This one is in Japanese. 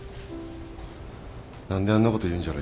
何であんなこと言うんじゃろ？